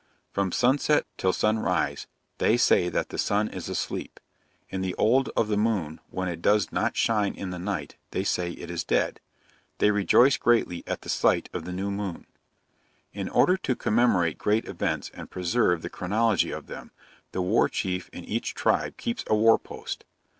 From sunset till sunrise, they say that the sun is asleep. In the old of the moon, when it does not shine in the night, they say it is dead. They rejoice greatly at the sight of the new moon. In order to commemorate great events, and preserve the chronology of them, the war Chief in each tribe keeps a war post.